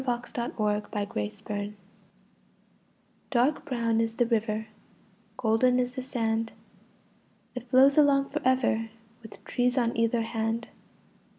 [Pg 17] WHERE GO THE BOATS? Dark brown is the river, Golden is the sand. It flows along for ever, With trees on either hand.